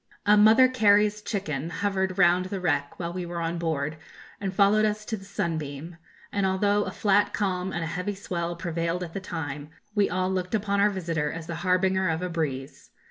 A 'Mother Carey's chicken' hovered round the wreck while we were on board, and followed us to the 'Sunbeam;' and although a flat calm and a heavy swell prevailed at the time, we all looked upon our visitor as the harbinger of a breeze.